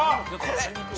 これ。